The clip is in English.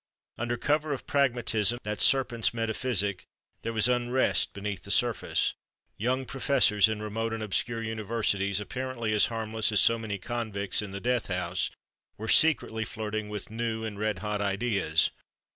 Under cover of pragmatism, that serpent's metaphysic, there was unrest beneath the surface. Young professors in remote and obscure universities, apparently as harmless as so many convicts in the death house, were secretly flirting with new and red hot ideas.